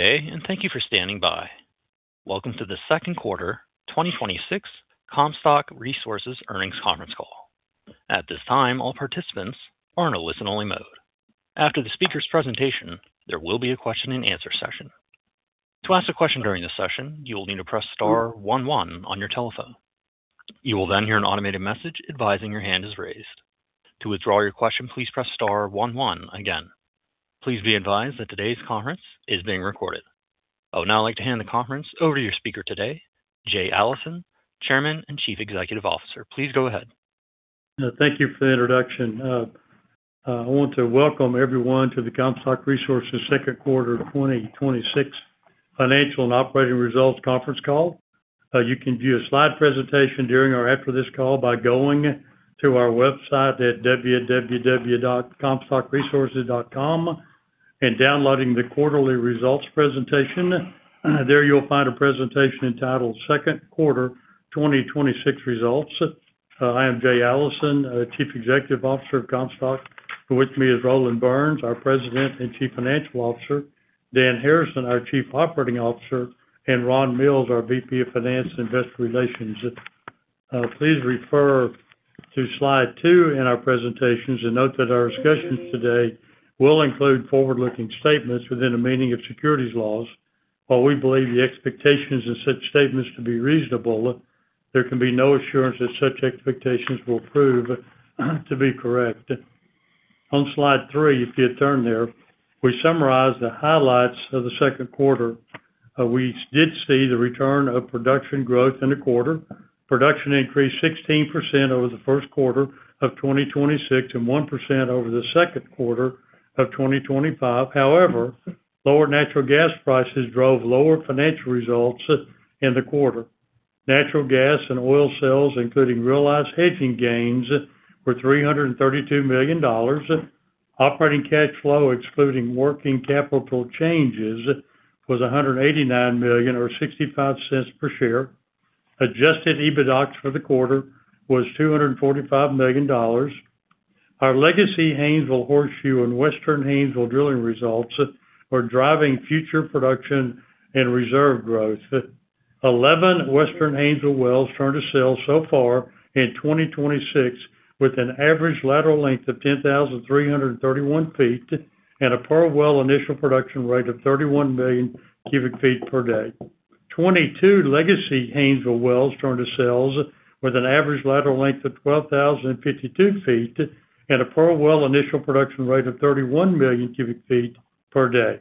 Good day. Thank you for standing by. Welcome to the second quarter 2026 Comstock Resources earnings conference call. At this time, all participants are in a listen-only mode. After the speaker's presentation, there will be a question and answer session. To ask a question during this session, you will need to press star, one, one on your telephone. You will then hear an automated message advising your hand is raised. To withdraw your question, please press star one one again. Please be advised that today's conference is being recorded. I would now like to hand the conference over to your speaker today, Jay Allison, Chairman and Chief Executive Officer. Please go ahead. Thank you for the introduction. I want to welcome everyone to the Comstock Resources second quarter 2026 financial and operating results conference call. You can view a slide presentation during or after this call by going to our website at www.comstockresources.com and downloading the quarterly results presentation. There you'll find a presentation entitled Second Quarter 2026 Results. I am Jay Allison, Chief Executive Officer of Comstock. With me is Roland Burns, our President and Chief Financial Officer, Dan Harrison, our Chief Operating Officer, and Ron Mills, our VP of Finance and Investor Relations. Please refer to slide two in our presentations and note that our discussions today will include forward-looking statements within the meaning of securities laws. While we believe the expectations of such statements to be reasonable, there can be no assurance that such expectations will prove to be correct. On slide three, if you turn there, we summarize the highlights of the second quarter. We did see the return of production growth in the quarter. Production increased 16% over the first quarter of 2026 and 1% over the second quarter of 2025. However, lower natural gas prices drove lower financial results in the quarter. Natural gas and oil sales, including realized hedging gains, were $332 million. Operating cash flow excluding working capital changes was $189 million or $0.65 per share. Adjusted EBITDA for the quarter was $245 million. Our Legacy Haynesville Horseshoe and Western Haynesville drilling results are driving future production and reserve growth. Eleven Western Haynesville wells turned to sales so far in 2026, with an average lateral length of 10,331 feet and a per well initial production rate of 31 million cubic feet per day. Twenty-two Legacy Haynesville wells turned to sales with an average lateral length of 12,052 feet and a per well initial production rate of 31 million cubic feet per day.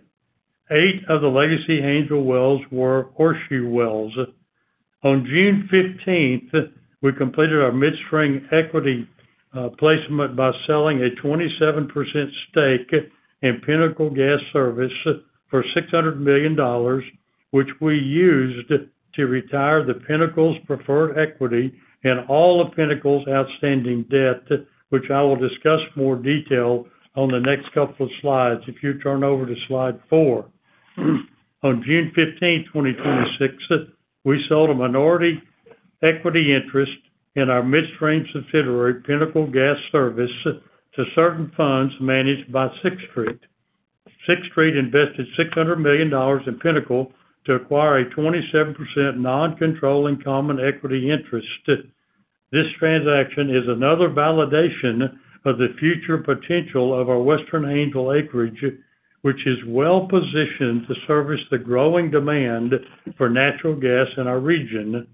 Eight of the Legacy Haynesville wells were Horseshoe wells. On June 15th, we completed our midstream equity placement by selling a 27% stake in Pinnacle Gas Services for $600 million, which we used to retire Pinnacle's preferred equity and all of Pinnacle's outstanding debt, which I will discuss more detail on the next couple of slides. If you turn over to slide four. On June 15th, 2026, we sold a minority equity interest in our midstream subsidiary, Pinnacle Gas Services, to certain funds managed by Sixth Street. Sixth Street invested $600 million in Pinnacle to acquire a 27% non-controlling common equity interest. This transaction is another validation of the future potential of our Western Haynesville acreage, which is well-positioned to service the growing demand for natural gas in our region.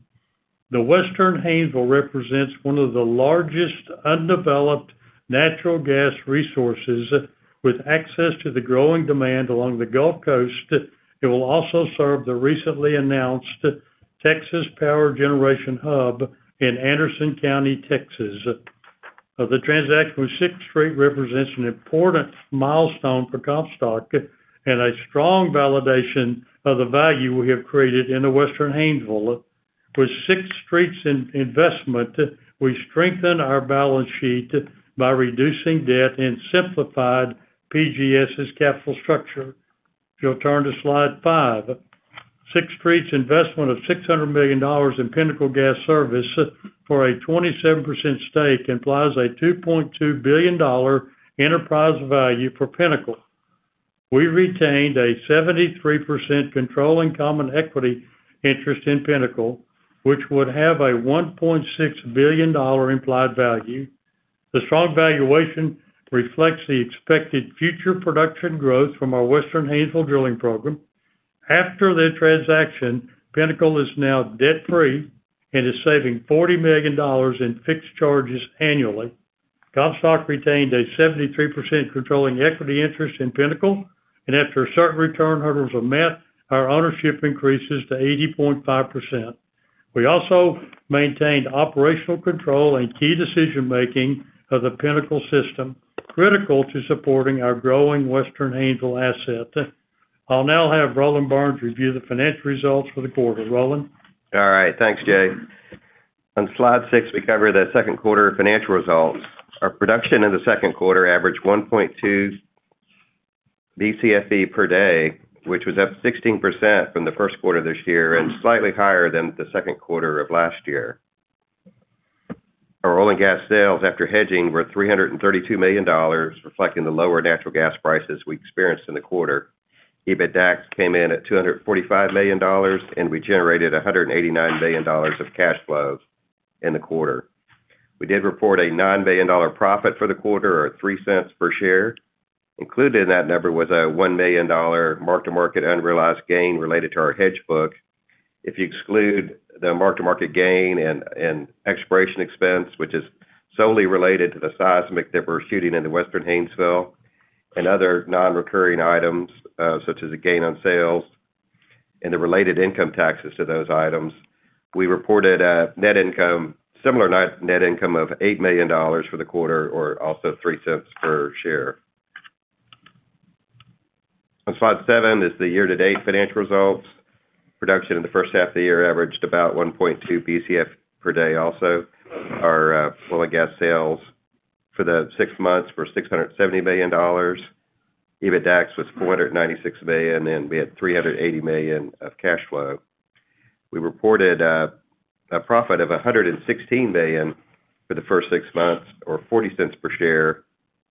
The Western Haynesville represents one of the largest undeveloped natural gas resources with access to the growing demand along the Gulf Coast. It will also serve the recently announced Texas Power Generation Hub in Anderson County Texas. The transaction with Sixth Street represents an important milestone for Comstock and a strong validation of the value we have created in the Western Haynesville. W ith Sixth Street's investment, we strengthen our balance sheet by reducing debt and simplified Pinnacle Gas Services's capital structure. If you'll turn to slide five. Sixth Street's investment of $600 million in Pinnacle Gas Services for a 27% stake implies a $2.2 billion enterprise value for Pinnacle. We retained a 73% controlling common equity interest in Pinnacle, which would have a $1.6 billion implied value. The strong valuation reflects the expected future production growth from our Western Haynesville drilling program. After the transaction, Pinnacle is now debt-free and is saving $40 million in fixed charges annually. Comstock retained a 73% controlling equity interest in Pinnacle, and after certain return hurdles are met, our ownership increases to 80.5%. We also maintained operational control and key decision-making of the Pinnacle system, critical to supporting our growing Western Haynesville asset. I'll now have Roland Burns review the financial results for the quarter. Roland? All right. Thanks, Jay. On slide six, we cover the second quarter financial results. Our production in the second quarter averaged 1.2 BCFE per day, which was up 16% from the first quarter of this year and slightly higher than the second quarter of last year. Our oil and gas sales after hedging were $332 million, reflecting the lower natural gas prices we experienced in the quarter. EBITDAX came in at $245 million, and we generated $189 million of cash flow in the quarter. We did report a non-GAAP profit for the quarter or $0.03 per share. Included in that number was a $1 million mark-to-market unrealized gain related to our hedge book. If you exclude the mark-to-market gain and exploration expense, which is solely related to the seismic that we're shooting into Western Haynesville and other non-recurring items, such as a gain on sales and the related income taxes to those items, we reported a similar net income of $8 million for the quarter or also $0.03 per share. On slide seven is the year-to-date financial results. Production in the H1 of the year averaged about 1.2 Bcf per day. Also, our oil and gas sales for the six months were $670 million. EBITDAX was $496 million, and we had $380 million of cash flow. We reported a profit of $116 million for the first six months or $0.40 per share.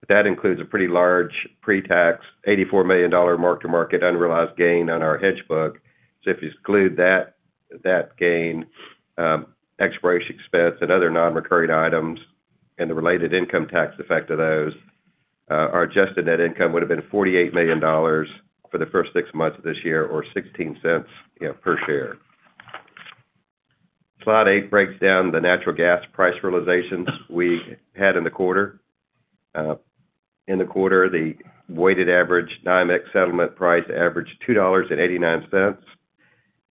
That includes a pretty large pre-tax, $84 million mark-to-market unrealized gain on our hedge book. If you exclude that gain, exploration expense, and other non-recurring items and the related income tax effect of those, our adjusted net income would've been $48 million for the first six months of this year or $0.16 per share. Slide eight breaks down the natural gas price realizations we had in the quarter. In the quarter, the weighted average NYMEX settlement price averaged $2.89,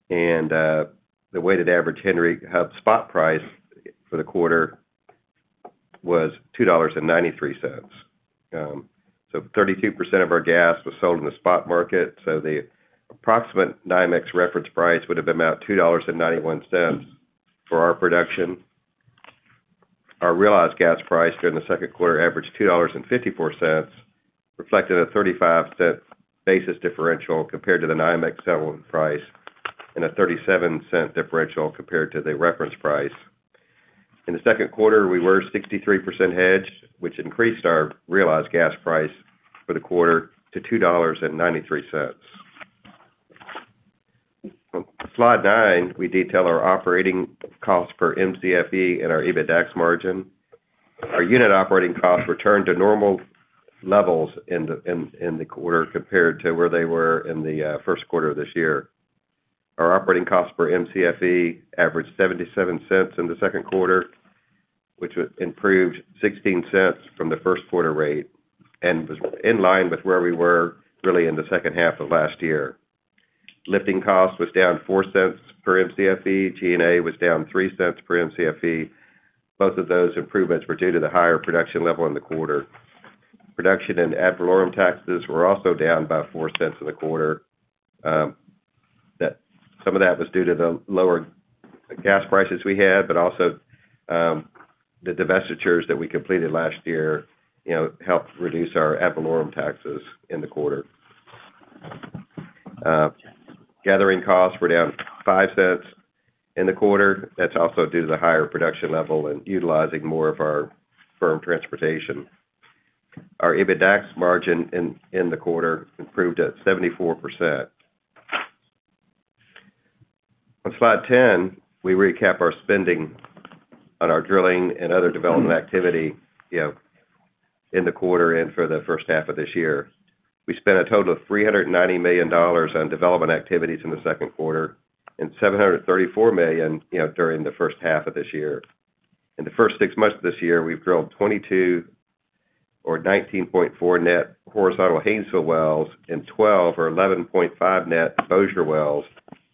and the weighted average Henry Hub spot price for the quarter was $2.93. 32% of our gas was sold in the spot market, the approximate NYMEX reference price would've been about $2.91 for our production. Our realized gas price during the second quarter averaged $2.54, reflecting a $0.35 basis differential compared to the NYMEX settlement price and a $0.37 differential compared to the reference price. In the second quarter, we were 63% hedged, which increased our realized gas price for the quarter to $2.93. On slide nine, we detail our operating cost per Mcfe and our EBITDAX margin. Our unit operating costs returned to normal levels in the quarter compared to where they were in the first quarter of this year. Our operating cost per Mcfe averaged $0.77 in the second quarter, which improved $0.16 from the first quarter rate, and was in line with where we were really in the H2 of last year. Lifting costs was down $0.04 per Mcfe. G&A was down $0.03 per Mcfe. Both of those improvements were due to the higher production level in the quarter. Production and ad valorem taxes were also down by $0.04 in the quarter. Some of that was due to the lower gas prices we had, but also the divestitures that we completed last year helped reduce our ad valorem taxes in the quarter. Gathering costs were down $0.05 in the quarter. That's also due to the higher production level and utilizing more of our firm transportation. Our EBITDAX margin in the quarter improved at 74%. On slide 10, we recap our spending on our drilling and other development activity in the quarter and for the H1 of this year. We spent a total of $390 million on development activities in the second quarter and $734 million during the H1 of this year. In the first six months of this year, we've drilled 22 or 19.4 net horizontal Haynesville wells and 12 or 11.5 net Bossier wells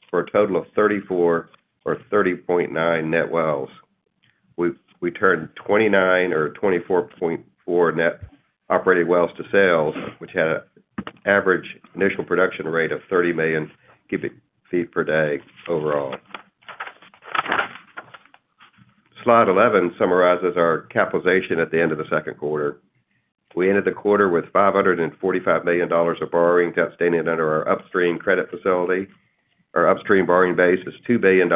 for a total of 34 or 30.9 net wells. We turned 29 or 24.4 net operating wells to sales, which had an average initial production rate of 30 million cubic feet per day overall. Slide 11 summarizes our capitalization at the end of the second quarter. We ended the quarter with $545 million of borrowings outstanding under our upstream credit facility. Our upstream borrowing base was $2 billion,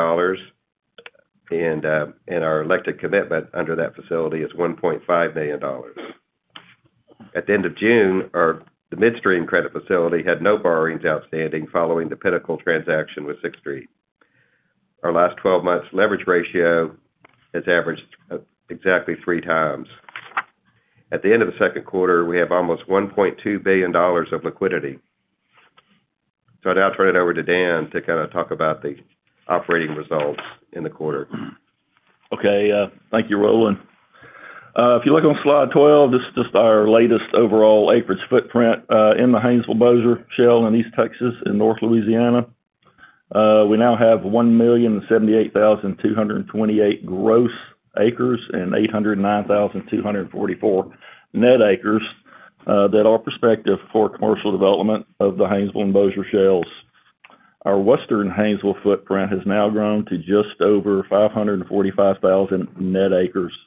and our elected commitment under that facility is $1.5 billion. At the end of June, the midstream credit facility had no borrowings outstanding following the Pinnacle transaction with Sixth Street. Our last 12 months leverage ratio has averaged exactly three times. At the end of the second quarter, we have almost $1.2 billion of liquidity. I'll now turn it over to Dan to talk about the operating results in the quarter. Okay. Thank you, Roland. If you look on slide 12, this is just our latest overall acreage footprint in the Haynesville Bossier Shale in East Texas and North Louisiana. We now have $1,078,228 gross acres and $809,244 net acres that are prospective for commercial development of the Haynesville and Bossier Shales. Our Western Haynesville footprint has now grown to just over $545,000 net acres.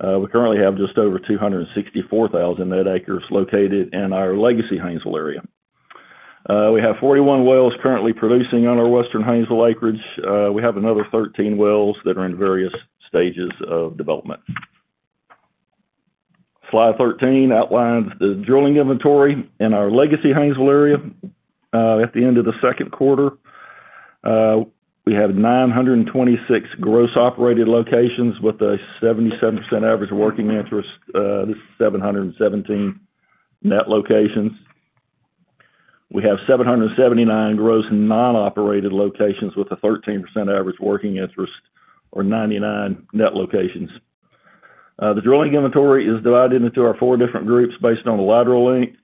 We currently have just over $264,000 net acres located in our Legacy Haynesville area. We have 41 wells currently producing on our Western Haynesville acreage. We have another 13 wells that are in various stages of development. Slide 13 outlines the drilling inventory in our Legacy Haynesville area. At the end of the second quarter, we had 926 gross operated locations with a 77% average working interest. This is 717 net locations. We have 779 gross non-operated locations with a 13% average working interest or 99 net locations. The drilling inventory is divided into our four different groups based on the lateral length.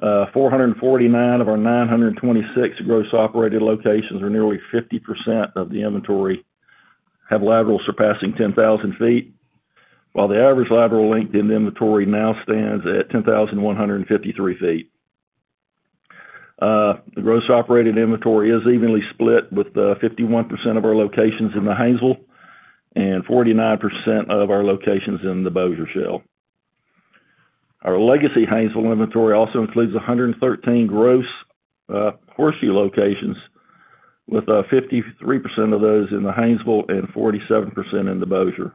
449 of our 926 gross operated locations or nearly 50% of the inventory have laterals surpassing 10,000 feet, while the average lateral length in the inventory now stands at 10,153 feet. The gross operated inventory is evenly split with 51% of our locations in the Haynesville and 49% of our locations in the Bossier Shale. Our Legacy Haynesville inventory also includes 113 gross Horseshoe locations with 53% of those in the Haynesville and 47% in the Bossier.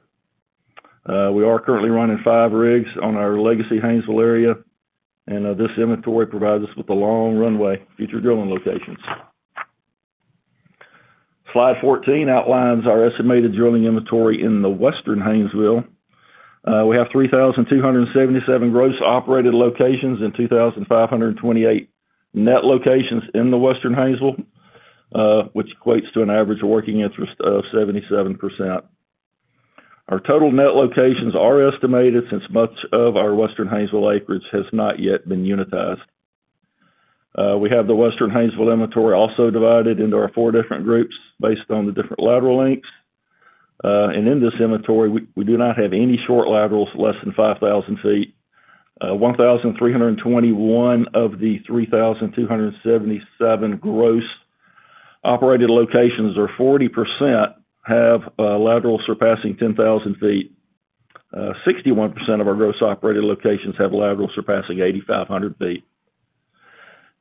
We are currently running five rigs on our Legacy Haynesville area. This inventory provides us with a long runway future drilling locations. Slide 14 outlines our estimated drilling inventory in the Western Haynesville. We have 3,277 gross operated locations and 2,528 net locations in the Western Haynesville, which equates to an average working interest of 77%. Our total net locations are estimated since much of our Western Haynesville acreage has not yet been unitized. We have the Western Haynesville inventory also divided into our four different groups based on the different lateral lengths. In this inventory, we do not have any short laterals less than 5,000 feet. 1,321 of the 3,277 gross operated locations or 40% have laterals surpassing 10,000 feet. 61% of our gross operated locations have laterals surpassing 8,500 feet.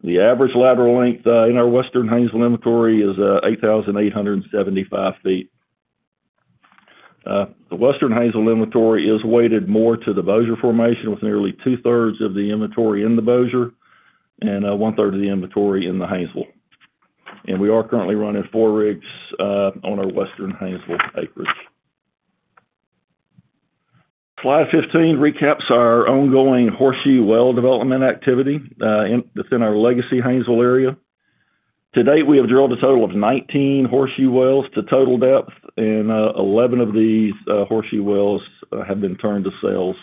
The average lateral length in our Western Haynesville inventory is 8,875 feet. The Western Haynesville inventory is weighted more to the Bossier formation, with nearly two-thirds of the inventory in the Bossier and one-third of the inventory in the Haynesville. We are currently running four rigs on our Western Haynesville acreage. Slide 15 recaps our ongoing Horseshoe well development activity within our Legacy Haynesville area. To date, we have drilled a total of 19 Horseshoe wells to total depth. 11 of these Horseshoe wells have been turned to sales.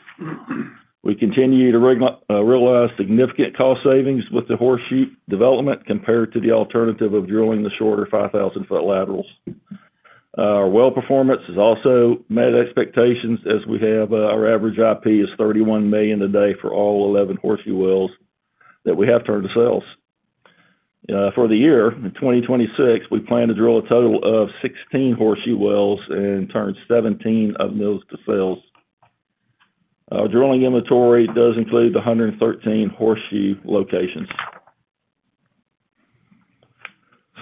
We continue to realize significant cost savings with the Horseshoe development compared to the alternative of drilling the shorter 5,000-foot laterals. Our well performance has also met expectations as our average IP is 31 million a day for all 11 Horseshoe wells that we have turned to sales. For the year, in 2026, we plan to drill a total of 16 Horseshoe wells and turn 17 of those to sales. Our drilling inventory does include the 113 Horseshoe locations.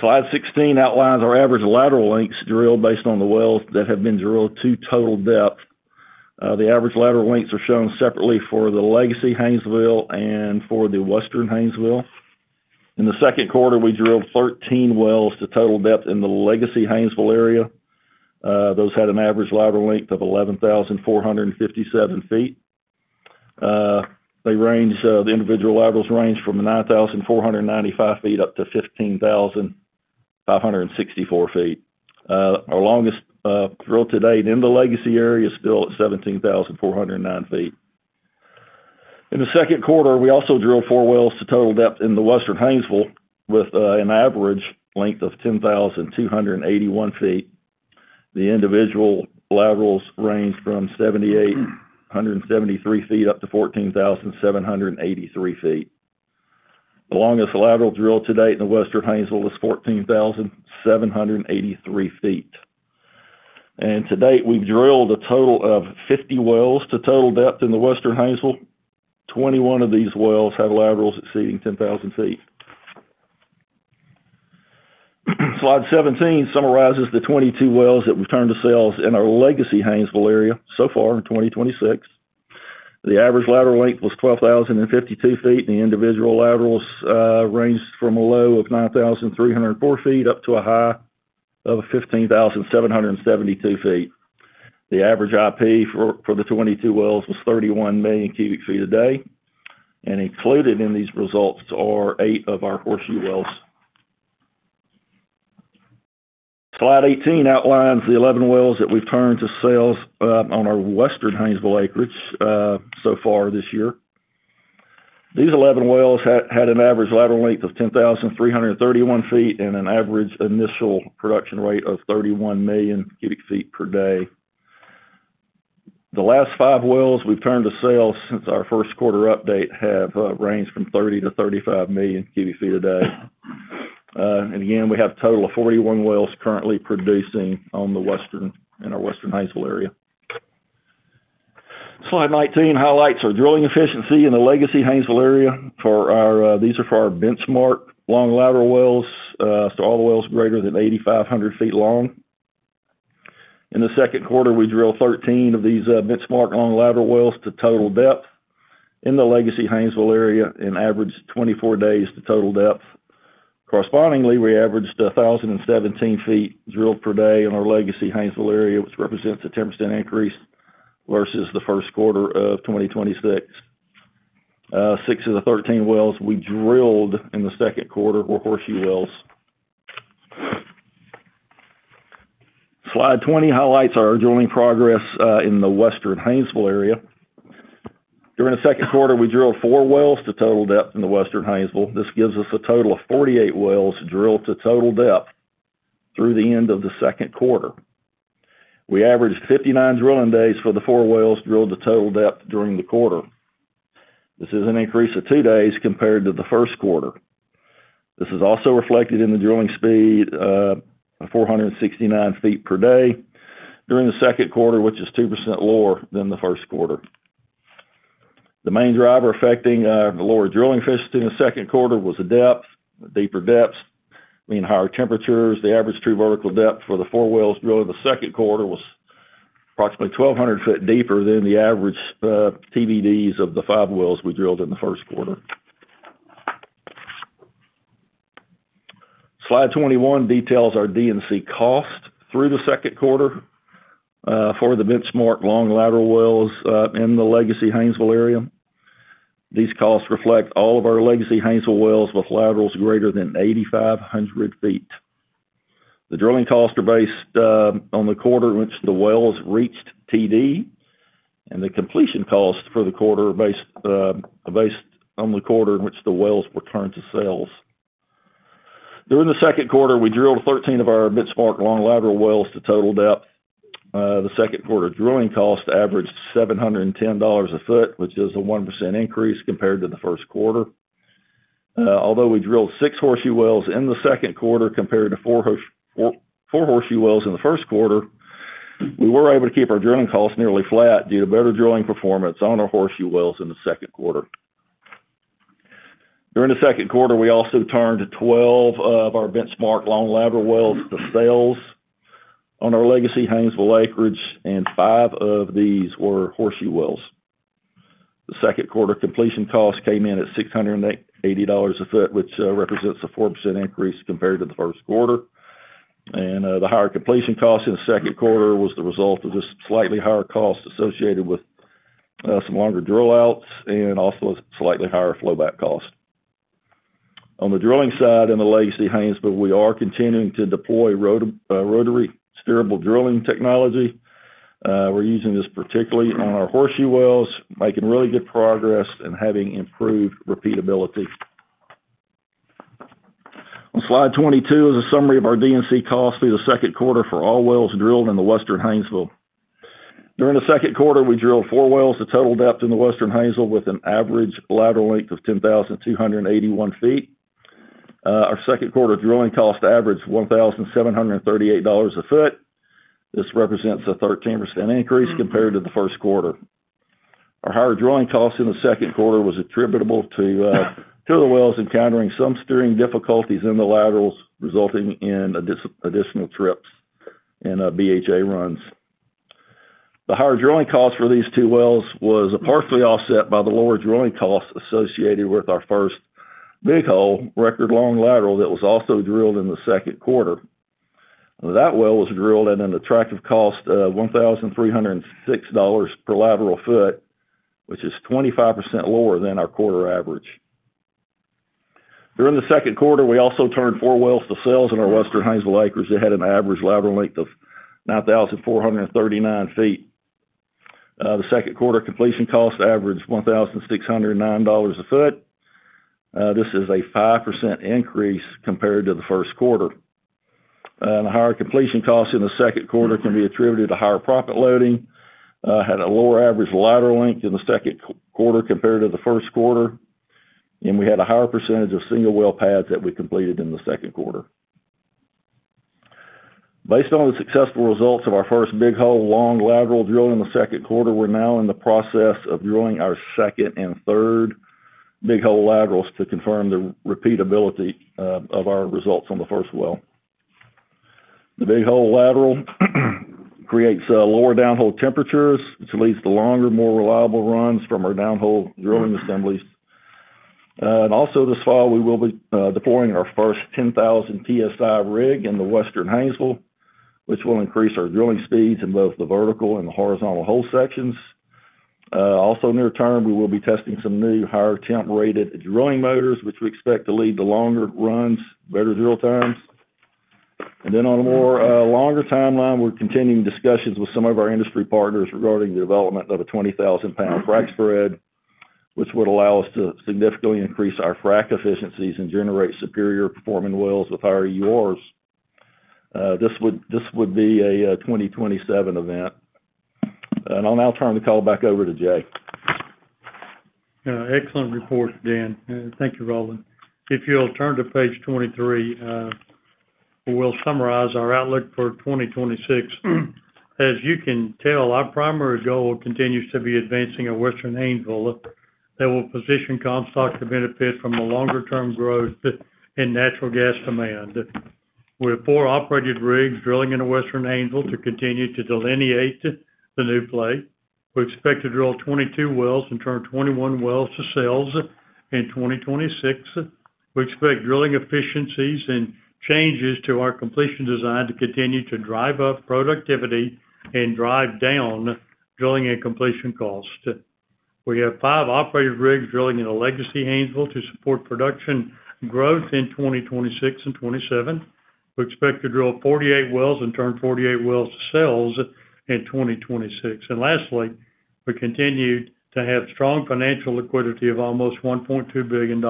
Slide 16 outlines our average lateral lengths drilled based on the wells that have been drilled to total depth. The average lateral lengths are shown separately for the Legacy Haynesville and for the Western Haynesville. In the second quarter, we drilled 13 wells to total depth in the Legacy Haynesville area. Those had an average lateral length of 11,457 feet. The individual laterals range from 9,495 feet up to 15,564 feet. Our longest drill to date in the Legacy area is still at 17,409 feet. In the second quarter, we also drilled four wells to total depth in the Western Haynesville with an average length of 10,281 feet. The individual laterals range from 7,873 feet-14,783 feet. The longest lateral drill to date in the Western Haynesville is 14,783 feet. To date, we've drilled a total of 50 wells to total depth in the Western Haynesville. 21 of these wells have laterals exceeding 10,000 feet. Slide 17 summarizes the 22 wells that we've turned to sales in our Legacy Haynesville area so far in 2026. The average lateral length was 12,052 feet, and the individual laterals ranged from a low of 9,304 feet up to a high of 15,772 feet. The average IP for the 22 wells was 31 million cubic feet a day. Included in these results are eight of our Horseshoe wells. Slide 18 outlines the 11 wells that we've turned to sales on our Western Haynesville acreage so far this year. These 11 wells had an average lateral length of 10,331 feet and an average initial production rate of 31 million cubic feet per day. The last five wells we've turned to sale since our first quarter update have ranged from 30million-35 million cubic feet a day. Again, we have a total of 41 wells currently producing in our Western Haynesville area. Slide 19 highlights our drilling efficiency in the Legacy Haynesville area. These are for our benchmark long lateral wells, so all the wells greater than 8,500 feet long. In the second quarter, we drilled 13 of these benchmark long lateral wells to total depth in the Legacy Haynesville area, and averaged 24 days to total depth. Correspondingly, we averaged 1,017 feet drilled per day in our Legacy Haynesville area, which represents a 10% increase versus the first quarter of 2026. Six of the 13 wells we drilled in the second quarter were Horseshoe wells. Slide 20 highlights our drilling progress in the Western Haynesville area. During the second quarter, we drilled four wells to total depth in the Western Haynesville. This gives us a total of 48 wells drilled to total depth through the end of the second quarter. We averaged 59 drilling days for the four wells drilled to total depth during the quarter. This is an increase of two days compared to the first quarter. This is also reflected in the drilling speed of 469 feet per day during the second quarter, which is 2% lower than the first quarter. The main driver affecting the lower drilling efficiency in the second quarter was the depth. Deeper depths mean higher temperatures. The average true vertical depth for the four wells drilled in the second quarter was approximately 1,200 feet deeper than the average TVDs of the five wells we drilled in the first quarter. Slide 21 details our D&C cost through the second quarter for the benchmark long lateral wells in the Legacy Haynesville area. These costs reflect all of our Legacy Haynesville wells with laterals greater than 8,500 feet. The drilling costs are based on the quarter in which the wells reached TD, and the completion costs for the quarter are based on the quarter in which the wells were turned to sales. During the second quarter, we drilled 13 of our benchmark long lateral wells to total depth. The second quarter drilling cost averaged $710 a foot, which is a 1% increase compared to the first quarter. Although we drilled six Horseshoe wells in the second quarter compared to four Horseshoe wells in the first quarter, we were able to keep our drilling costs nearly flat due to better drilling performance on our Horseshoe wells in the second quarter. During the second quarter, we also turned 12 of our benchmark long lateral wells to sales on our Legacy Haynesville acreage, and five of these were Horseshoe wells. The second quarter completion cost came in at $680 a foot, which represents a 4% increase compared to the first quarter. The higher completion cost in the second quarter was the result of the slightly higher cost associated with some longer drill outs and also slightly higher flowback cost. On the drilling side in the Legacy Haynesville, we are continuing to deploy rotary steerable drilling technology. We're using this particularly on our Horseshoe wells, making really good progress and having improved repeatability. On slide 22 is a summary of our D&C cost through the second quarter for all wells drilled in the Western Haynesville. During the second quarter, we drilled four wells to total depth in the Western Haynesville with an average lateral length of 10,281 feet. Our second quarter drilling cost averaged $1,738 a foot. This represents a 13% increase compared to the first quarter. Our higher drilling cost in the second quarter was attributable to two of the wells encountering some steering difficulties in the laterals, resulting in additional trips and BHA runs. The higher drilling cost for these two wells was partially offset by the lower drilling cost associated with our first big hole record long lateral that was also drilled in the second quarter. That well was drilled at an attractive cost of $1,306 per lateral foot, which is 25% lower than our quarter average. During the second quarter, we also turned four wells to sales in our Western Haynesville acreage that had an average lateral length of 9,439 feet. The second quarter completion cost averaged $1,609 a foot. This is a 5% increase compared to the first quarter. The higher completion cost in the second quarter can be attributed to higher proppant loading, had a lower average lateral length in the second quarter compared to the first quarter, and we had a higher percentage of single-well pads that we completed in the second quarter. Based on the successful results of our first big hole long lateral drill in the second quarter, we're now in the process of drilling our second and third big hole laterals to confirm the repeatability of our results on the first well. The big hole lateral creates lower downhole temperatures, which leads to longer, more reliable runs from our downhole drilling assemblies. Also this fall, we will be deploying our first 10,000 PSI rig in the Western Haynesville, which will increase our drilling speeds in both the vertical and the horizontal hole sections. Near term, we will be testing some new higher temp-rated drilling motors, which we expect to lead to longer runs better drill times. On a more longer timeline, we're continuing discussions with some of our industry partners regarding the development of a [20,000 PSI ]spread, which would allow us to significantly increase our frac efficiencies and generate superior performing wells with higher EURs. This would be a 2027 event. I'll now turn the call back over to Jay. Excellent report, Dan. Thank you, Roland. If you'll turn to page 23, we'll summarize our outlook for 2026. As you can tell, our primary goal continues to be advancing a Western Haynesville that will position Comstock to benefit from a longer-term growth in natural gas demand. We have four operated rigs drilling into Western Haynesville to continue to delineate the new play. We expect to drill 22 wells and turn 21 wells to sales in 2026. We expect drilling efficiencies and changes to our completion design to continue to drive up productivity and drive down drilling and completion costs. We have five operated rigs drilling into Legacy Haynesville to support production growth in 2026 and 2027. We expect to drill 48 wells and turn 48 wells to sales in 2026. Lastly, we continued to have strong financial liquidity of almost $1.2 billion.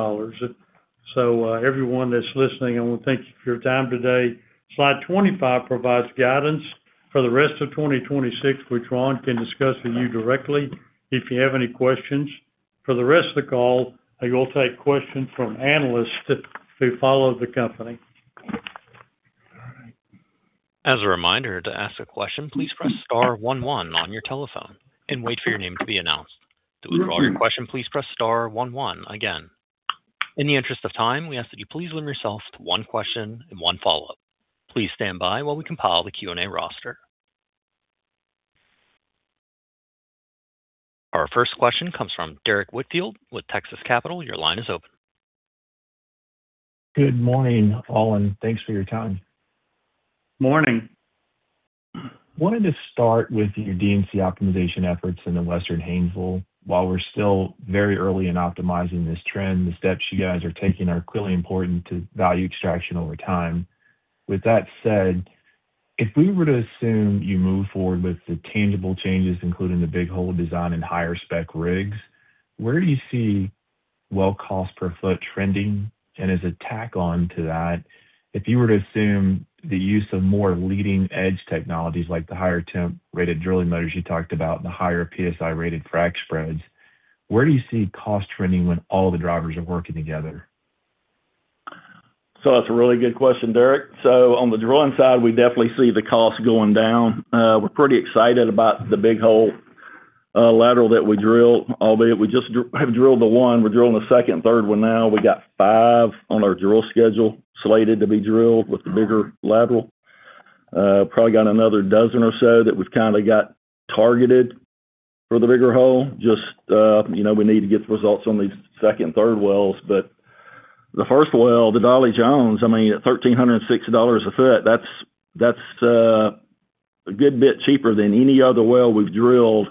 Everyone that's listening, I want to thank you for your time today. Slide 25 provides guidance for the rest of 2026, which Ron can discuss with you directly if you have any questions. For the rest of the call, I will take questions from analysts who follow the company. As a reminder to ask a question, please press star, one, one on your telephone and wait for your name to be announced. To withdraw your question, please press star, one, one again. In the interest of time, we ask that you please limit yourself to one question and one follow-up. Please stand by while we compile the Q&A roster. Our first question comes from Derrick Whitfield with Texas Capital. Your line is open. Good morning, all, and thanks for your time. Morning. Wanted to start with your D&C optimization efforts in the Western Haynesville. While we're still very early in optimizing this trend, the steps you guys are taking are clearly important to value extraction over time. With that said, if we were to assume you move forward with the tangible changes, including the big hole design and higher spec rigs, where do you see well cost per foot trending? As a tack on to that, if you were to assume the use of more leading-edge technologies like the higher temp rated drilling motors you talked about and the higher PSI rated frac spreads, where do you see cost trending when all the drivers are working together? That's a really good question, Derrick. On the drilling side, we definitely see the cost going down. We're pretty excited about the big hole lateral that we drilled, albeit we just have drilled the one. We're drilling the second and third one now. We got five on our drill schedule slated to be drilled with the bigger lateral. Probably got another dozen or so that we've kind of got targeted for the bigger hole, just we need to get the results on these second and third wells. The first well, the Dollye Jones, at $1,306 a foot, that's a good bit cheaper than any other well we've drilled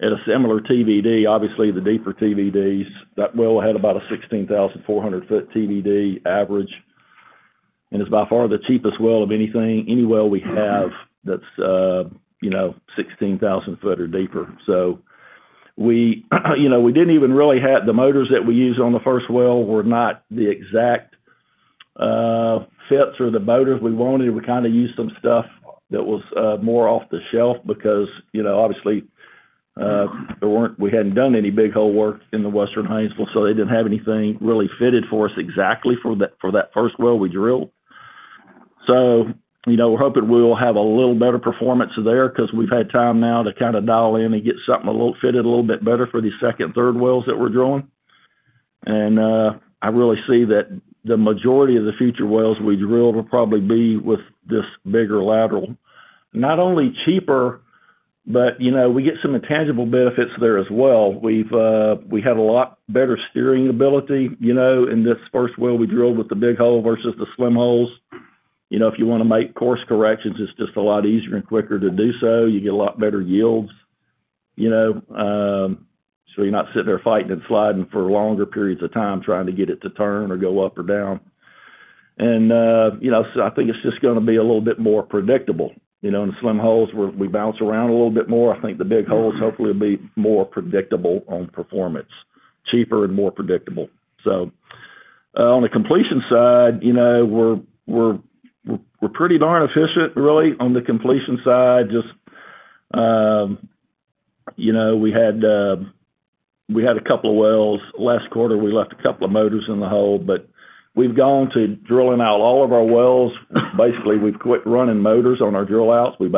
at a similar TVD. Obviously, the deeper TVDs. That well had about a 16,400 foot TVD average, and it's by far the cheapest well of any well we have that's 16,000 foot or deeper. The motors that we used on the first well were not the exact fits for the motors we wanted. We kind of used some stuff that was more off the shelf because obviously we hadn't done any big hole work in the Western Haynesville, so they didn't have anything really fitted for us exactly for that first well we drilled. We're hoping we're going to have a little better performance there because we've had time now to kind of dial in and get something a little fitted a little bit better for these second and third wells that we're drilling. I really see that the majority of the future wells we drill will probably be with this bigger lateral. Not only cheaper, but we get some intangible benefits there as well. We had a lot better steering ability in this first well we drilled with the big hole versus the slim holes. If you want to make course corrections, it's just a lot easier and quicker to do so. You get a lot better yields. You're not sitting there fighting and sliding for longer periods of time trying to get it to turn or go up or down. I think it's just going to be a little bit more predictable. In the slim holes, we bounce around a little bit more. I think the big holes hopefully will be more predictable on performance. Cheaper and more predictable. On the completion side, we're pretty darn efficient really on the completion side. Just we had a couple of wells last quarter. We left a couple of motors in the hole, but we've gone to drilling out all of our wells. Basically, we've quit running motors on our drill outs. We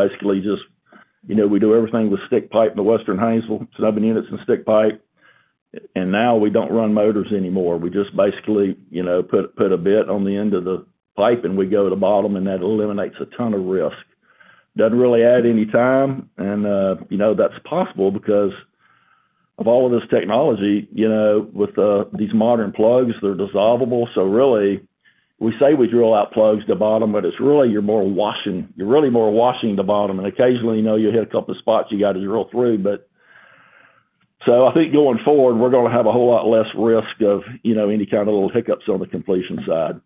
do everything with stick pipe in the Western Haynesville, sub units and stick pipe. Now we don't run motors anymore. We just basically put a bit on the end of the pipe, and we go to the bottom, and that eliminates a ton of risk. Doesn't really add any time, and that's possible because of all of this technology. With these modern plugs, they're dissolvable. Really, we say we drill out plugs to bottom, but you're really more washing the bottom, and occasionally you'll hit a couple of spots you got to drill through. I think going forward, we're going to have a whole lot less risk of any kind of little hiccups on the completion side.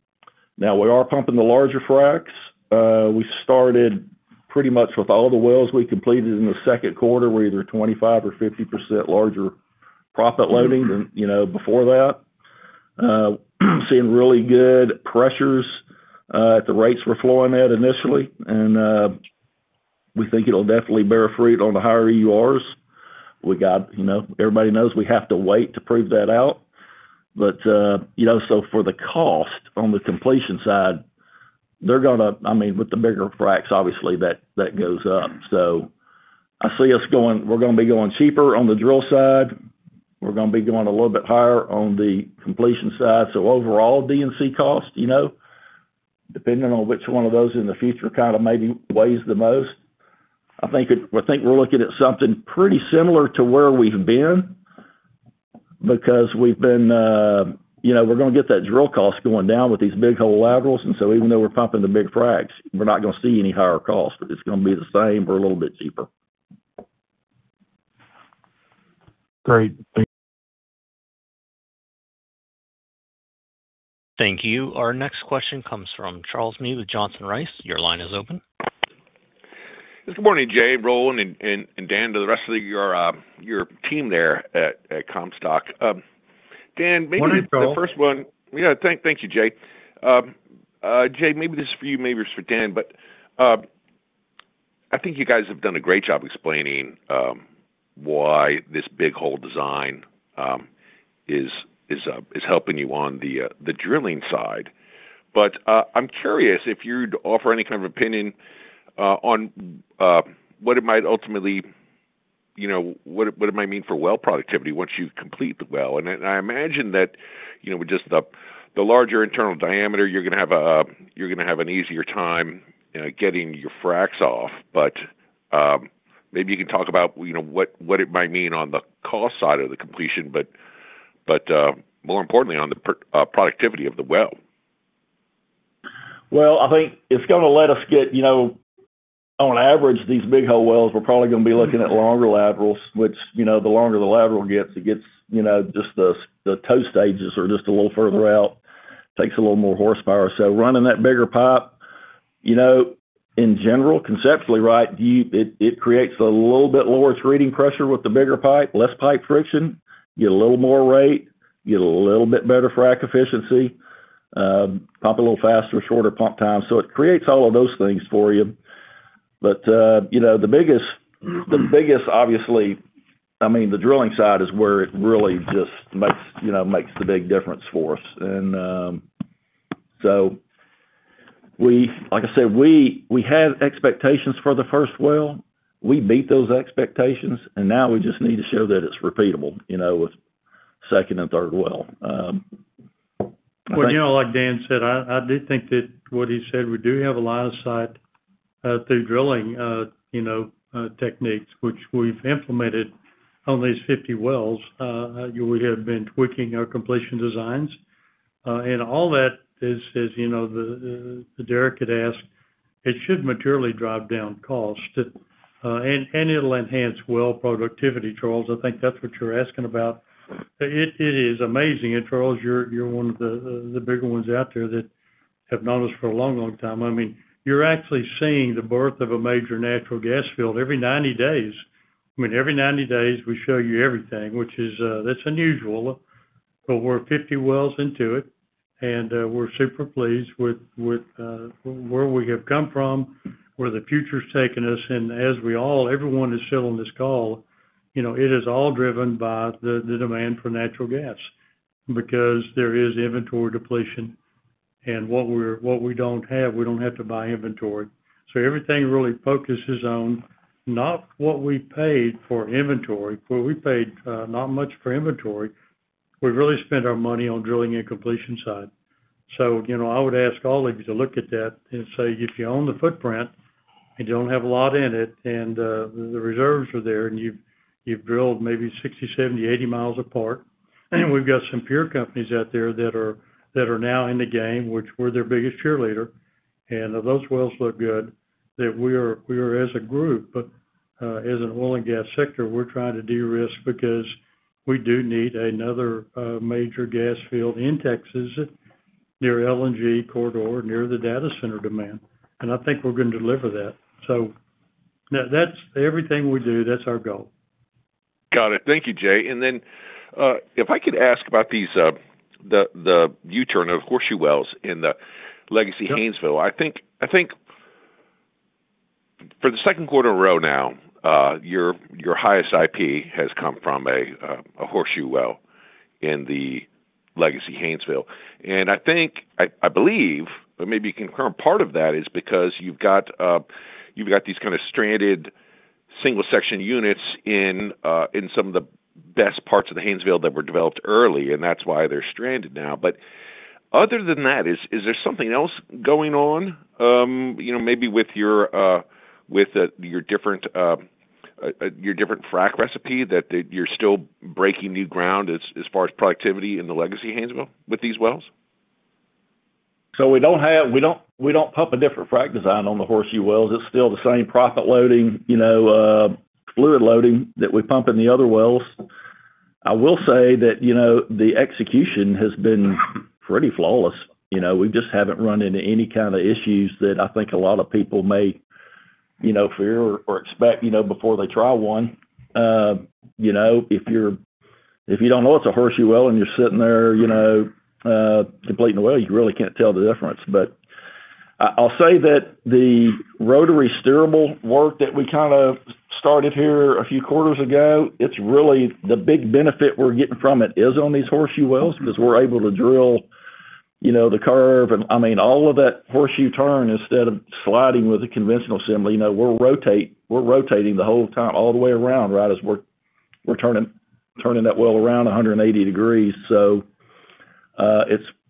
Now we are pumping the larger fracs. We started pretty much with all the wells we completed in the second quarter were either 25% or 50% larger proppant loading than before that. Seeing really good pressures at the rates we're flowing at initially. We think it'll definitely bear fruit on the higher EURs. Everybody knows we have to wait to prove that out. For the cost on the completion side with the bigger fracs, obviously that goes up. I see we're going to be going cheaper on the drill side. We're going to be going a little bit higher on the completion side. Overall D&C cost, depending on which one of those in the future maybe weighs the most, I think we're looking at something pretty similar to where we've been. Because we're going to get that drill cost going down with these big hole laterals, even though we're pumping the big fracs, we're not going to see any higher cost. It's going to be the same or a little bit cheaper. Great. Thank you. Thank you. Our next question comes from Charles Meade with Johnson Rice. Your line is open. Good morning, Jay, Roland, and Dan, to the rest of your team there at Comstock. Morning, Charles. Yeah. Thank you, Jay. Jay, maybe this is for you, maybe it's for Dan Harrison, but I think you guys have done a great job explaining why this big hole design is helping you on the drilling side. I'm curious if you'd offer any kind of opinion on what it might mean for well productivity once you complete the well. I imagine that with just the larger internal diameter, you're going to have an easier time getting your fracs off. Maybe you can talk about what it might mean on the cost side of the completion, but more importantly on the productivity of the well. Well, I think it's going to let us get on average, these big hole wells, we're probably going to be looking at longer laterals. Which, the longer the lateral gets, the toe stages are just a little further out takes a little more horsepower. Running that bigger pipe in general, conceptually. It creates a little bit lower treating pressure with the bigger pipe. Less pipe friction, you get a little more rate, you get a little bit better frac efficiency, pump a little faster, shorter pump time. It creates all of those things for you. The biggest, obviously, the drilling side is where it really just makes the big difference for us. Like I said, we had expectations for the first well. We beat those expectations, and now we just need to show that it's repeatable with second and third well. Well, like Dan Harrison said, I did think that what he said, we do have a line of sight through drilling techniques, which we've implemented on these 50 wells. We have been tweaking our completion designs. All that is as Derrick Whitfield had asked, it should materially drive down cost. It'll enhance well productivity Charles Meade, I think that's what you're asking about. It is amazing. Charles Meade, you're one of the bigger ones out there that have known us for a long, long time. You're actually seeing the birth of a major natural gas field every 90 days. Every 90 days, we show you everything, which that's unusual. We're 50 wells into it, and we're super pleased with where we have come from, where the future's taking us. As we all, everyone that's still on this call. It is all driven by the demand for natural gas. Because there is inventory depletion and what we don't have, we don't have to buy inventory. Everything really focuses on not what we paid for inventory. Well, we paid not much for inventory. We really spent our money on drilling and completion side. I would ask all of you to look at that and say, if you own the footprint and don't have a lot in it, and the reserves are there, and you've drilled maybe 60, 70, 80 miles apart. We've got some peer companies out there that are now in the game, which we're their biggest cheerleader. Those wells look good. That we are, as a group, as an oil and gas sector, we're trying to de-risk because we do need another major gas field in Texas, near LNG corridor near the data center demand. I think we're going to deliver that. That's everything we do. That's our goal. Got it. Thank you, Jay. If I could ask about the U-turn of Horseshoe wells in the Legacy Haynesville. I think for the second quarter in a row now, your highest IP has come from a Horseshoe well in the Legacy Haynesville. I believe, or maybe you can confirm, part of that is because you've got these kind of stranded single section units in some of the best parts of the Haynesville that were developed early, and that's why they're stranded now. Other than that is there something else going on maybe with your different frac recipe, that you're still breaking new ground as far as productivity in the Legacy Haynesville with these wells? We don't pump a different frac design on the Horseshoe wells. It's still the same proppant loading, fluid loading that we pump in the other wells. I will say that the execution has been pretty flawless. We just haven't run into any kind of issues that I think a lot of people may fear or expect before they try one. If you don't know it's a Horseshoe well, and you're sitting there completing the well, you really can't tell the difference. I'll say that the rotary steerable work that we started here a few quarters ago, the big benefit we're getting from it is on these Horseshoe wells, because we're able to drill the curve and all of that Horseshoe turn instead of sliding with a conventional assembly. We're rotating the whole time all the way around as we're turning that well around 180 degrees.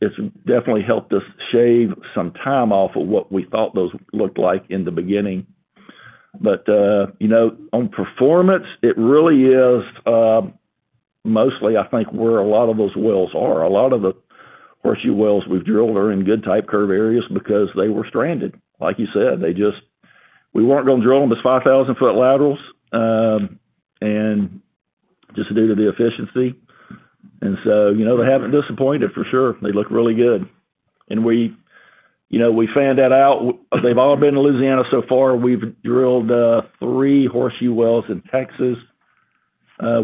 It's definitely helped us shave some time off of what we thought those looked like in the beginning. On performance, it really is mostly, I think, where a lot of those wells are. A lot of the Horseshoe wells we've drilled are in good type curve areas because they were stranded. Like you said, we weren't going to drill them as 5,000-foot laterals, and just due to the efficiency. They haven't disappointed for sure. They look really good. We found that out, they've all been in Louisiana so far. We've drilled three Horseshoe wells in Texas.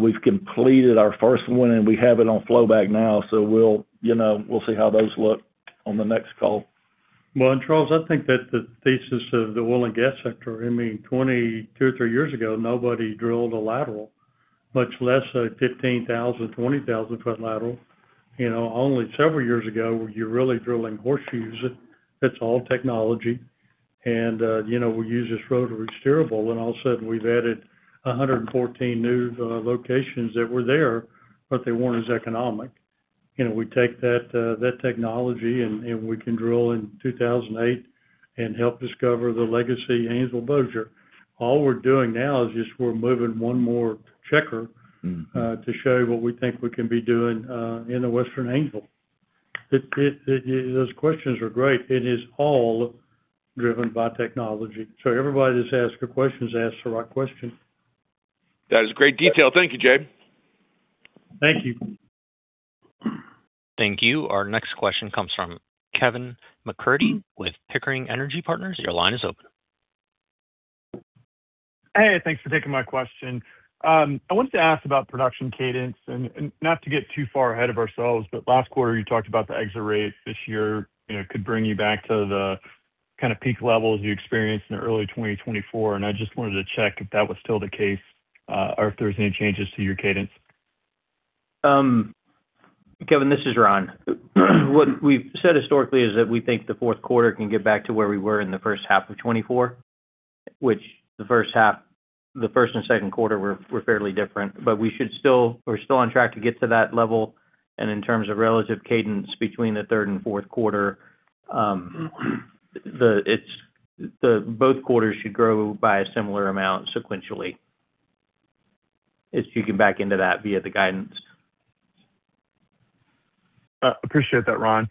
We've completed our first one, and we have it on flow back now, so we'll see how those look on the next call. Well, Charles, I think that the thesis of the oil and gas sector two or three years ago, nobody drilled a lateral, much less a 15,000-20,000-foot lateral. Only several years ago, were you really drilling Horseshoe. It's all technology, and we use this rotary steerable, and all of a sudden, we've added 114 new locations that were there, but they weren't as economic. We take that technology, we can drill in 2008 and help discover the legacy Haynesville Bossier. All we're doing now is just we're moving one more checker to show you what we think we can be doing in the Western Haynesville. Those questions are great. It is all driven by technology. Everybody that's asked a question has asked the right question. That is a great detail. Thank you, Jay. Thank you. Thank you. Our next question comes from Kevin McCurdy with Pickering Energy Partners. Your line is open. Thanks for taking my question. I wanted to ask about production cadence, not to get too far ahead of ourselves, last quarter, you talked about the exit rates this year could bring you back to the peak levels you experienced in early 2024. I just wanted to check if that was still the case, or if there's any changes to your cadence. Kevin, this is Ron. What we've said historically is that we think the fourth quarter can get back to where we were in the H1 of 2024, which the H1, the first and second quarter were fairly different. We're still on track to get to that level, in terms of relative cadence between the third and fourth quarter, both quarters should grow by a similar amount sequentially, if you can back into that via the guidance. Appreciate that, Ron.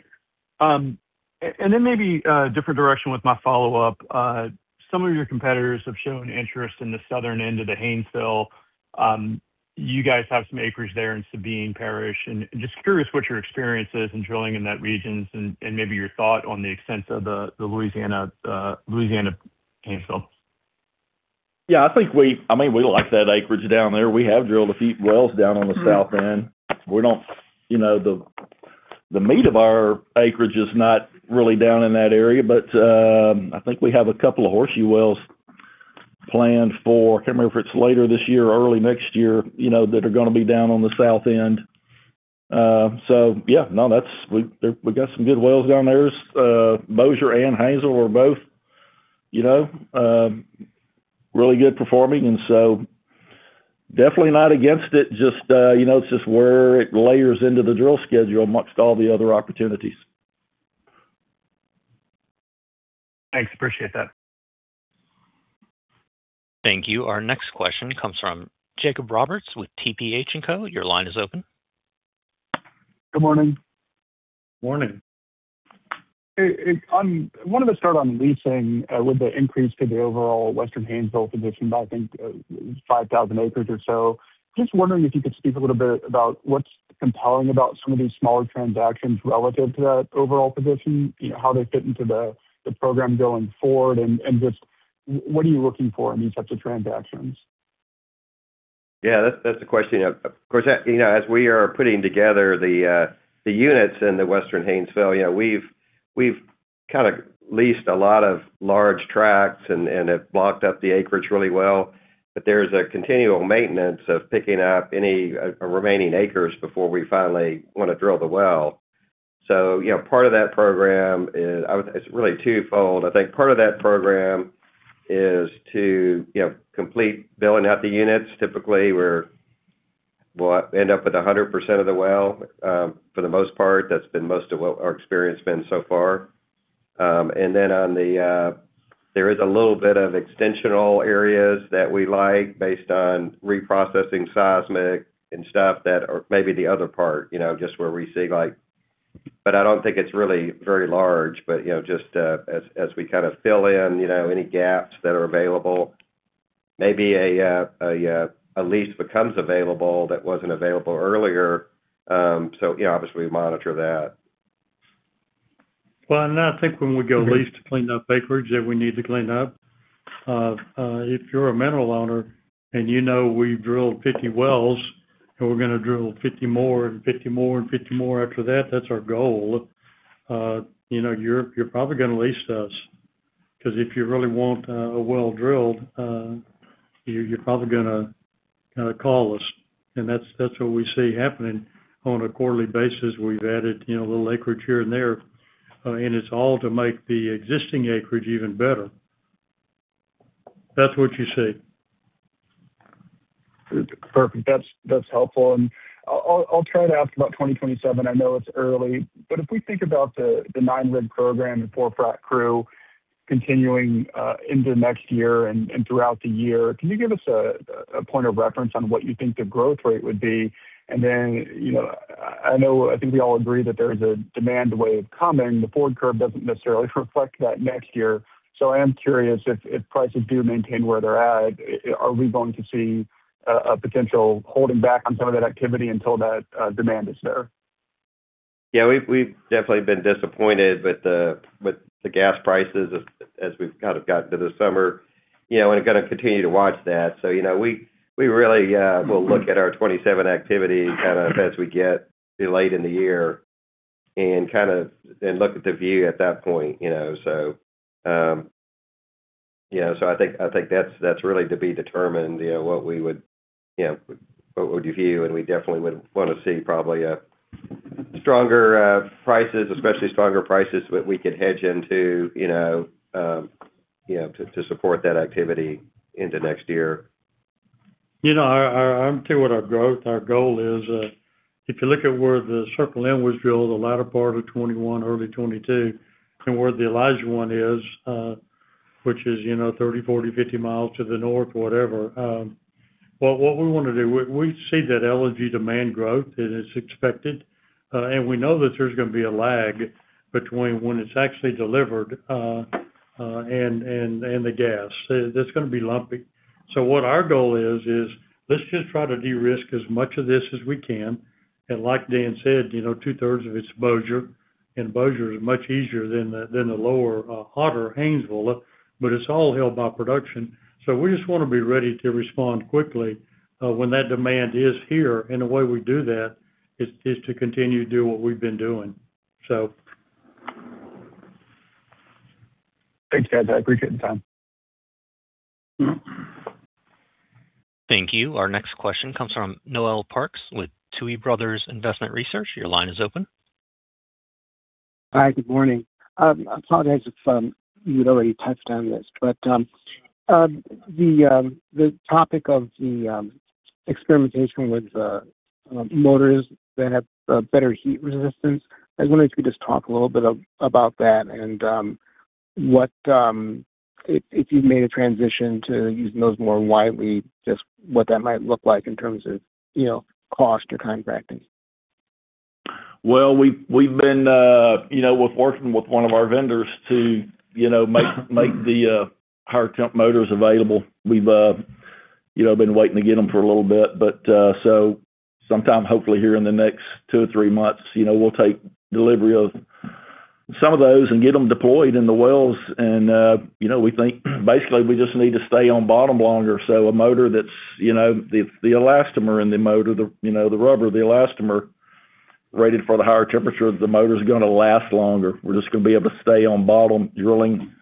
Maybe a different direction with my follow-up. Some of your competitors have shown interest in the southern end of the Haynesville. You guys have some acreage there in Sabine Parish, just curious what your experience is in drilling in that region and maybe your thought on the extent of the Louisiana Haynesville. Yeah, we like that acreage down there. We have drilled a few wells down on the south end. The meat of our acreage is not really down in that area, but I think we have a couple of Horseshoe wells planned for, I can't remember if it's later this year or early next year, that are going to be down on the south end. Yeah, we got some good wells down there. Bossier and Haynesville are both really good performing, definitely not against it. It's just where it layers into the drill schedule amongst all the other opportunities. Thanks. Appreciate that. Thank you. Our next question comes from Jacob Roberts with TPH&Co. Your line is open. Good morning. Morning. I wanted to start on leasing with the increase to the overall Western Haynesville position. By, I think, 5,000 acres or so. Just wondering if you could speak a little bit about what's compelling about some of these smaller transactions relative to that overall position, how they fit into the program going forward, and just what are you looking for in these types of transactions? Yeah, that's a question. Of course, as we are putting together the units in the Western Haynesville, we've leased a lot of large tracts and have blocked up the acreage really well. There's a continual maintenance of picking up any remaining acres before we finally want to drill the well. Part of that program, it's really twofold. I think part of that program is to complete filling out the units. Typically, we'll end up with 100% of the well, for the most part. That's been most of what our experience been so far. There is a little bit of extensional areas that we like based on reprocessing seismic and stuff that are maybe the other part, just where we see like. I don't think it's really very large, but just as we fill in any gaps that are available. Maybe a lease becomes available that wasn't available earlier. Obviously, we monitor that. I think when we go lease to clean up acreage that we need to clean up. If you're a mineral owner and you know we've drilled 50 wells, and we're going to drill 50 more and 50 more and 50 more after that's our goal. You're probably going to lease to us, because if you really want a well drilled, you're probably going to call us. That's what we see happening on a quarterly basis. We've added a little acreage here and there, and it's all to make the existing acreage even better. That's what you see. Perfect. That's helpful. I'll try to ask about 2027. I know it's early, but if we think about the nine-rig program and four-frac crew continuing into next year and throughout the year, can you give us a point of reference on what you think the growth rate would be? I think we all agree that there's a demand wave coming. The forward curve doesn't necessarily reflect that next year. I am curious if prices do maintain where they're at, are we going to see a potential holding back on some of that activity until that demand is there? Yeah, we've definitely been disappointed with the gas prices as we've kind of got into the summer. Going to continue to watch that. We really will look at our 2027 activity kind of as we get late in the year and look at the view at that point. I think that's really to be determined, what would you view. We definitely would want to see probably stronger prices, especially stronger prices that we could hedge into to support that activity into next year. I'll tell you what our goal is. If you look at where the Circle M was drilled the latter part of 2021, early 2022, and where the Elijah 1 is, which is 30, 40, 50 miles to the north or whatever. What we want to do, we see that LNG demand growth, it is expected. We know that there's going to be a lag between when it's actually delivered, and the gas. That's going to be lumpy. What our goal is let's just try to de-risk as much of this as we can. Like Dan said, two-thirds of it's Bossier, and Bossier is much easier than the lower, hotter Haynesville, but it's all held by production. We just want to be ready to respond quickly, when that demand is here. The way we do that is to continue to do what we've been doing. Thanks, guys. I appreciate the time. Thank you. Our next question comes from Noel Parks with Tuohy Brothers Investment Research. Your line is open. Hi, good morning. I apologize if you'd already touched on this, but the topic of the experimentation with motors that have better heat resistance, I was wondering if you could just talk a little bit about that and if you've made a transition to using those more widely, just what that might look like in terms of cost or contracting. We've been working with one of our vendors to make the higher temp motors available. We've been waiting to get them for a little bit, sometime hopefully here in the next two or three months, we'll take delivery of some of those and get them deployed in the wells. We think basically we just need to stay on bottom longer. A motor the elastomer in the motor, the rubber, the elastomer rated for the higher temperature, the motor's going to last longer. We're just going to be able to stay on bottom drilling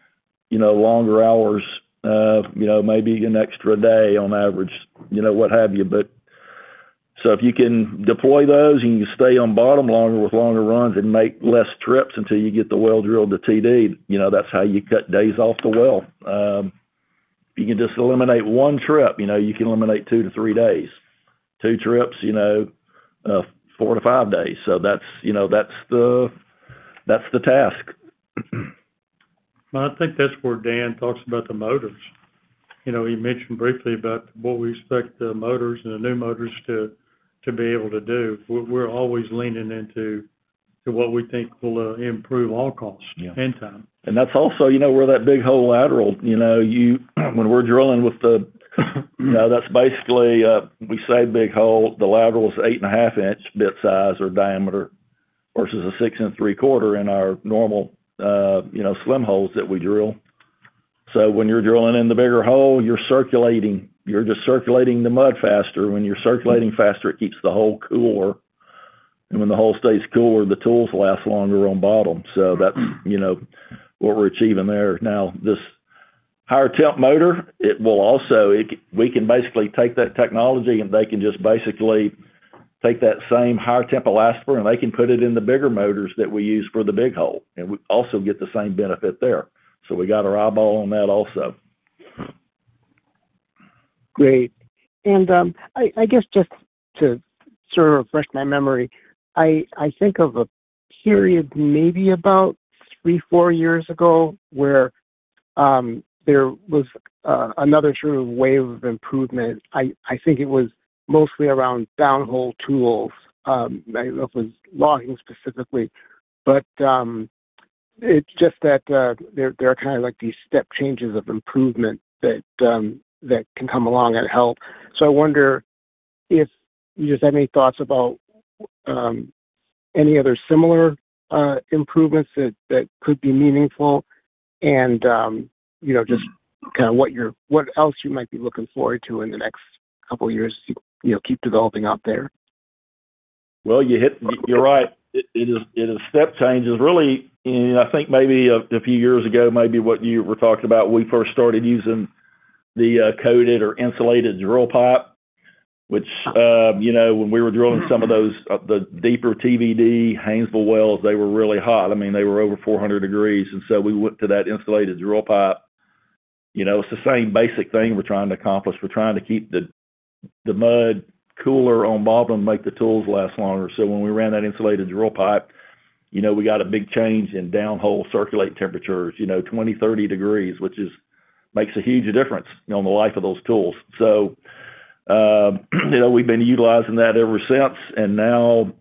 longer hours, maybe an extra day on average, what have you. If you can deploy those and you can stay on bottom longer with longer runs and make less trips until you get the well drilled to TD, that's how you cut days off the well. If you can just eliminate one trip, you can eliminate two to three days. Two trips, four-five days. That's the task. I think that's where Dan talks about the motors. He mentioned briefly about what we expect the motors and the new motors to be able to do. We're always leaning into what we think will improve our costs time. That's also where that big hole lateral. When we're drilling, that's basically, we say big hole. The lateral's 8.5 inch bit size or diameter versus a 6.75 in our normal slim holes that we drill. When you're drilling in the bigger hole, you're circulating the mud faster. When you're circulating faster, it keeps the hole cooler. When the hole stays cooler, the tools last longer on bottom. That's what we're achieving there. Now, this higher temp motor, we can basically take that technology, they can just basically take that same higher temp elastomer they can put it in the bigger motors that we use for the big hole. We also get the same benefit there. We got our eyeball on that also. Great. I guess just to sort of refresh my memory, I think of a period maybe about three, four years ago where there was another sort of wave of improvement. I think it was mostly around down-hole tools. I don't know if it was logging specifically, but it's just that there are kind of like these step changes of improvement that can come along and help. I wonder if you just have any thoughts about any other similar improvements that could be meaningful and just what else you might be looking forward to in the next couple of years to keep developing out there. You're right. It is step changes, really. I think maybe a few years ago, maybe what you were talking about, we first started using the coated or insulated drill pipe, which when we were drilling some of those. The deeper TVD Haynesville wells, they were really hot. They were over 400 degrees. We went to that insulated drill pipe. It's the same basic thing we're trying to accomplish. We're trying to keep the mud cooler on bottom make the tools last longer. When we ran that insulated drill pipe, we got a big change in down hole circulate temperatures, 20, 30 degrees, which makes a huge difference on the life of those tools. We've been utilizing that ever since. Now,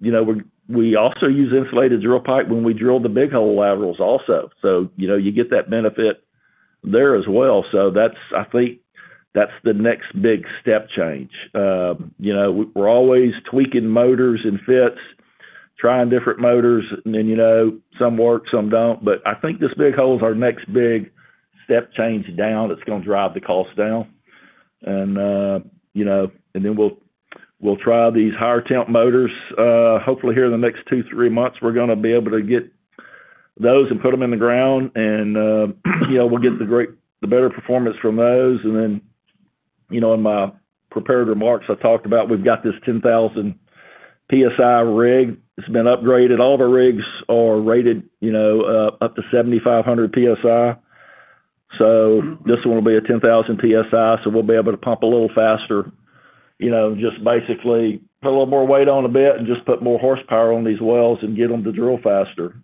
we also use insulated drill pipe when we drill the big hole laterals also. You get that benefit there as well. That's, I think, that's the next big step change. We're always tweaking motors and fits, trying different motors, and then some work, some don't. I think this big hole is our next big step change down. It's going to drive the cost down. Then we'll try these higher temp motors. Hopefully here in the next 2, 3 months, we're going to be able to get those and put them in the ground and, we'll get the better performance from those. Then, in my prepared remarks, I talked about we've got this 10,000 PSI rig. It's been upgraded. All of our rigs are rated up to 7,500 PSI. This one will be a 10,000 PSI, so we'll be able to pump a little faster, just basically put a little more weight on a bit and just put more horsepower on these wells and get them to drill faster.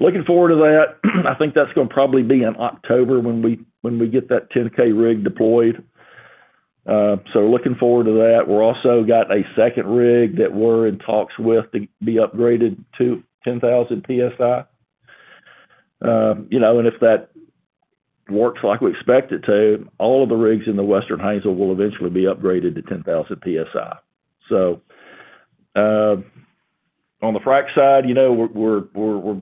Looking forward to that. I think that's going to probably be in October when we get that 10K rig deployed. Looking forward to that. We're also got a second rig that we're in talks with to be upgraded to 10,000 PSI. If that works like we expect it to, all of the rigs in the Western Haynesville will eventually be upgraded to 10,000 PSI. On the frack side, we've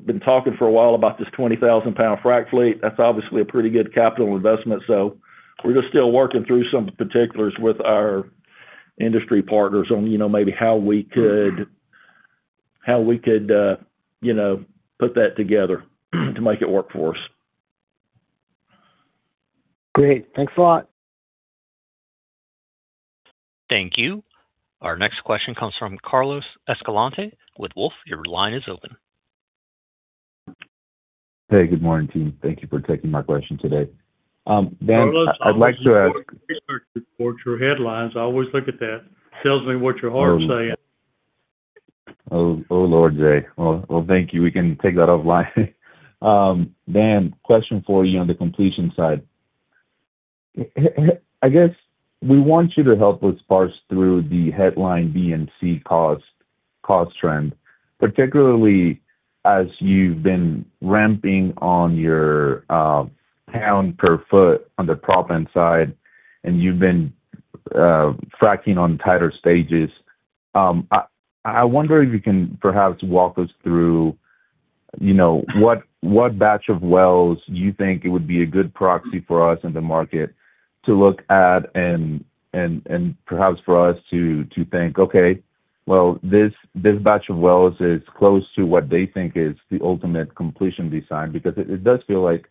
been talking for a while about this [20,000 PSI frack fleet. That's obviously a pretty good capital investment. We're just still working through some particulars with our industry partners on maybe how we could put that together to make it work for us. Great. Thanks a lot. Thank you. Our next question comes from Carlos Escalante with Wolfe. Your line is open. Hey, good morning, team. Thank you for taking my question today. Dan, I'd like to ask Carlos, I always look forward to your research reports, your headlines. I always look at that. Tells me what your heart's saying. Oh, Lord Jay. Well, thank you. We can take that offline. Dan, question for you on the completion side. I guess we want you to help us parse through the headline D&C cost trend, particularly as you've been ramping on your pound per foot on the proppant side, and you've been fracking on tighter stages. I wonder if you can perhaps walk us through what batch of wells. Do you think, it would be a good proxy for us in the market to look at and perhaps for us to think, okay, well, this batch of wells is close to what they think is the ultimate completion design, because it does feel like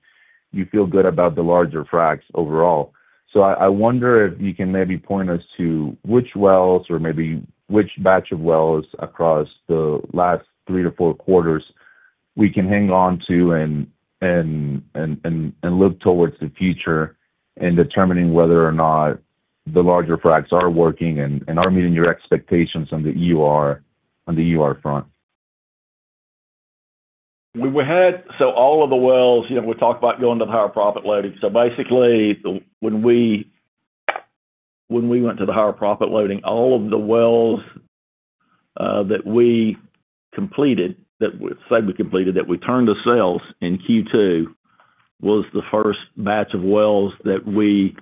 you feel good about the larger fracs overall. I wonder if you can maybe point us to which wells or maybe which batch of wells across the last three to four quarters we can hang on to and look towards the future in determining whether or not the larger fracs are working and are meeting your expectations on the EUR front. All of the wells, we talked about going to the higher proppant loading. Basically when we went to the higher proppant loading, all of the wells that we completed, that we say we completed, that we turned to sales in Q2, was the first batch of wells that we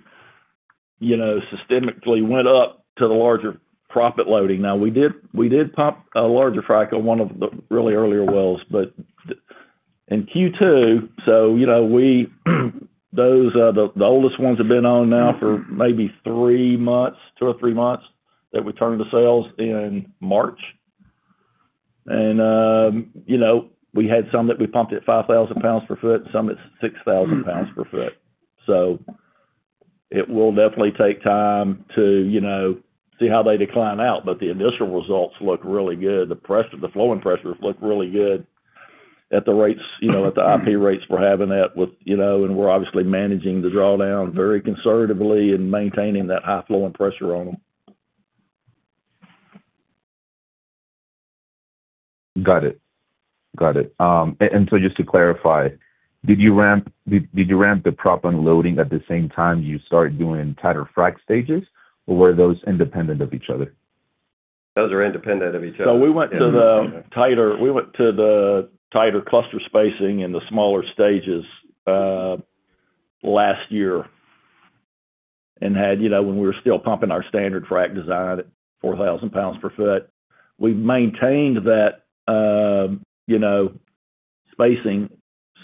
systemically went up to the larger proppant loading. Now we did pump a larger frac on one of the really earlier wells. In Q2, the oldest ones have been on now for maybe three months, two or three months, that we turned to sales in March. We had some that we pumped at 5,000 pounds per foot, some at 6,000 pounds per foot. It will definitely take time to see how they decline out, but the initial results look really good. The flowing pressures look really good at the IP rates we're having that with. We're obviously managing the drawdown very conservatively and maintaining that high flowing pressure on them. Got it. Just to clarify, did you ramp the proppant loading at the same time you started doing tighter frac stages, or were those independent of each other? Those are independent of each other. We went to the tighter cluster spacing and the smaller stages last year and when we were still pumping our standard frac design at 4,000 pounds per foot. We've maintained that spacing,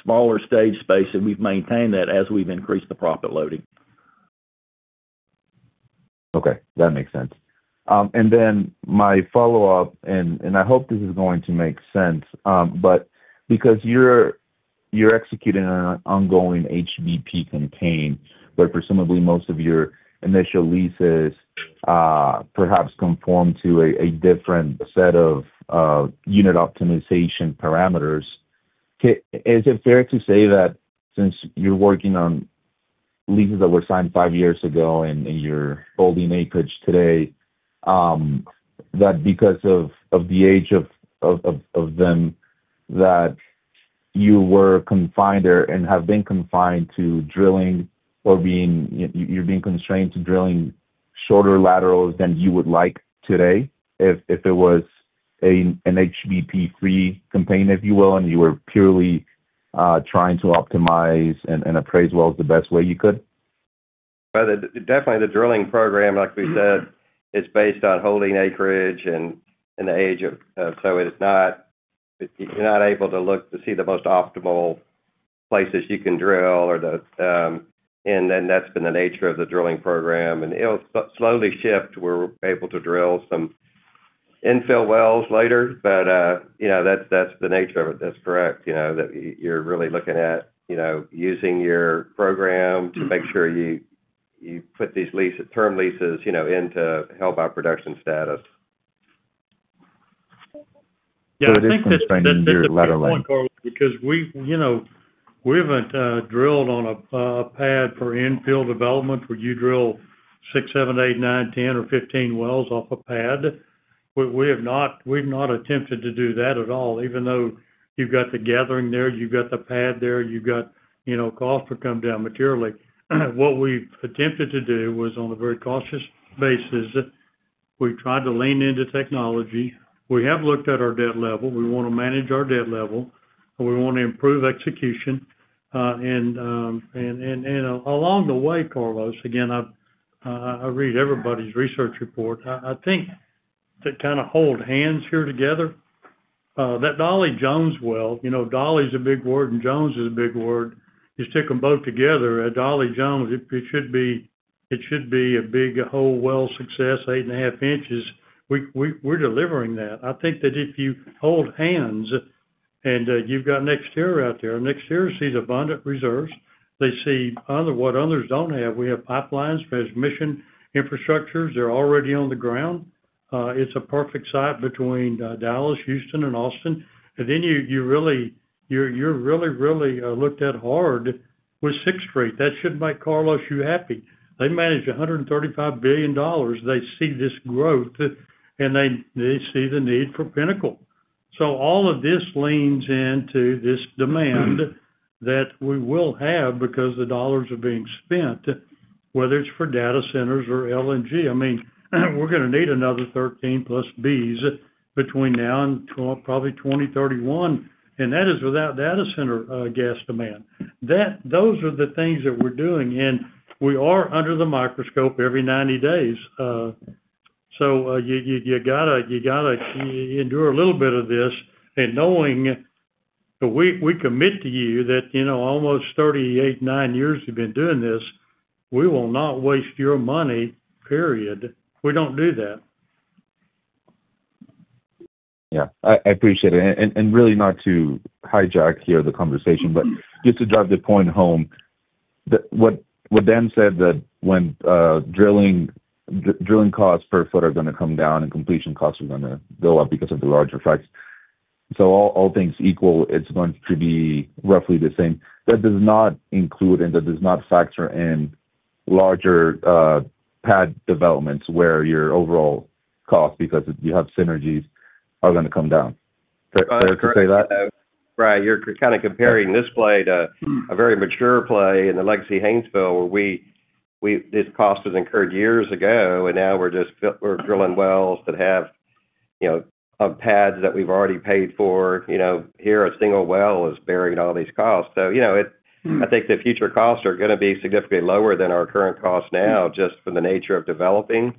smaller stage spacing. We've maintained that as we've increased the proppant loading. Okay, that makes sense. My follow-up, and I hope this is going to make sense, but because you're executing on an ongoing HBP campaign, where presumably most of your initial leases perhaps conform to a different set of unit optimization parameters is it fair to say that since you're working on leases that were signed five years ago and you're holding acreage today, that because of the age of them, that you were confined there and have been confined to drilling, or you're being constrained to drilling shorter laterals than you would like today if it was an HBP-free campaign, if you will, and you were purely trying to optimize and appraise wells the best way you could? Well, definitely the drilling program, like we said is based on holding acreage. You're not able to look to see the most optimal places you can drill, that's been the nature of the drilling program. It'll slowly shift. We're able to drill some infill wells later. That's the nature of it. That's correct, that you're really looking at using your program to make sure you put these term leases into held by production status. It is constraining your lateral length. Yeah, I think that's a good point, Carlos, because we haven't drilled on a pad for infill development where you drill six, seven, eight, nine, 10 or 15 wells off a pad. We've not attempted to do that at all. Even though you've got the gathering there, you've got the pad there, you've got cost to come down materially. What we've attempted to do was on a very cautious basis. We've tried to lean into technology. We have looked at our debt level. We want to manage our debt level, and we want to improve execution. Along the way, Carlos, again, I read everybody's research report. I think to kind of hold hands here together, that Dollye Jones well, Dollye's a big word and Jones is a big word. You stick them both together at Dollye Jones, it should be a big hole well success, eight and a half inches. We're delivering that. I think that if you hold hands and you've got NextEra out there, NextEra sees abundant reserves. They see what others don't have. We have pipelines, transmission infrastructures. They're already on the ground. It's a perfect site between Dallas, Houston, and Austin. You're really, really looked at hard with Sixth Street. That should make Carlos, you happy. They manage $135 billion. They see this growth, and they see the need for Pinnacle. All of this leans into this demand that we will have because the dollars are being spent, whether it's for data centers or LNG. I mean, we're going to need another 13+ Bcf between now and probably 2031, and that is without data center gas demand. Those are the things that we're doing, we are under the microscope every 90 days. You got to endure a little bit of this, knowing that we commit to you that almost 38, nine years we've been doing this, we will not waste your money, period. We don't do that. Yeah, I appreciate it. Really not to hijack here the conversation, but just to drive the point home, what Dan said that when drilling costs per foot are going to come down and completion costs are going to go up because of the larger fracs. All things equal, it's going to be roughly the same. That does not include, and that does not factor in larger pad developments where your overall cost, because you have synergies are going to come down. Fair to say that? Right. You're kind of comparing this play to a very mature play in the Legacy Haynesville, where this cost was incurred years ago, and now we're drilling wells that have pads that we've already paid for. Here, a single well is bearing all these costs. I think the future costs are going to be significantly lower than our current costs now, just from the nature of developing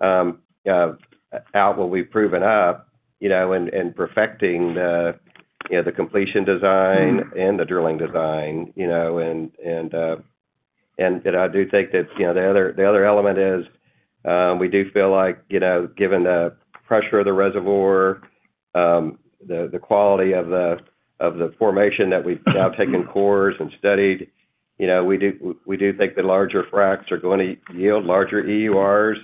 out what we've proven up, and perfecting the completion design and the drilling design. I do think that the other element is, we do feel like given the pressure of the reservoir, the quality of the formation that we've now taken cores and studied, we do think the larger fracs are going to yield larger EURs.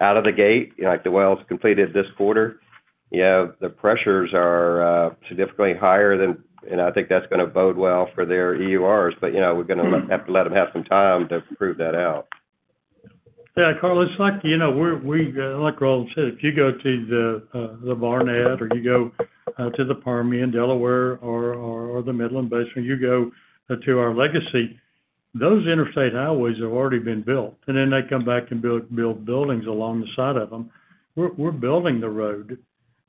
Out of the gate, like the wells completed this quarter, the pressures are significantly higher. I think that's going to bode well for their EURs. We're going to have to let them have some time to prove that out. Yeah, Carlos, like Roland said, if you go to the Barnett or you go to the Permian, Delaware, or the Midland Basin. You go to our Legacy, those interstate highways have already been built, and then they come back and build buildings along the side of them. We're building the road,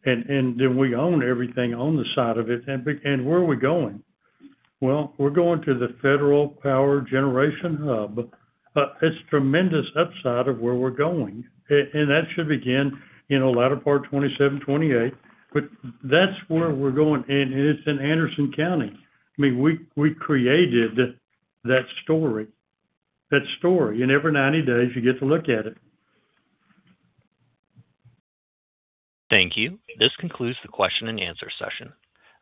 and then we own everything on the side of it. Where are we going? Well, we're going to the federal power generation hub. It's tremendous upside of where we're going. That should begin latter part 2027, 2028. That's where we're going, and it's in Anderson County. I mean, we created that story. That story, and every 90 days, you get to look at it. Thank you. This concludes the question and answer session.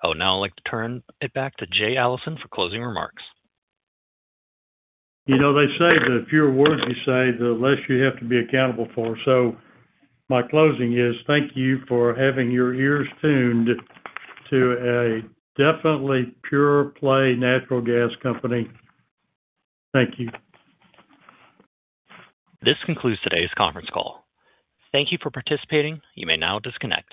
I would now like to turn it back to Jay Allison for closing remarks. You know, they say that the fewer words you say, the less you have to be accountable for. My closing is thank you for having your ears tuned to a definitely pure play natural gas company. Thank you. This concludes today's conference call. Thank you for participating. You may now disconnect.